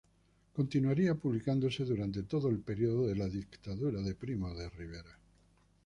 Continuaría publicándose durante todo el periodo de la Dictadura de Primo de Rivera.